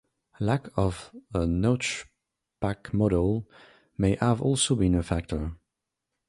Lack of a notchback model may have also been a factor.